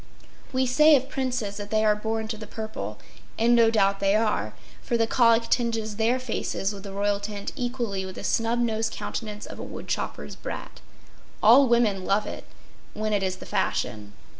We say of princes that they are born to the purple; and no doubt they are, for the colic tinges their faces with the royal tint equally with the snub nosed countenance of a woodchopper’s brat. All women love it—when it is the fashion.